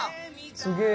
すげえ！